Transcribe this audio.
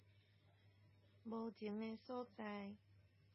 無情的所在